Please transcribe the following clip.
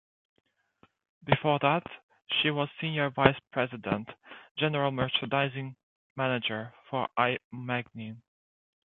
Before that, she was senior vice president, general merchandising manager, for I. Magnin.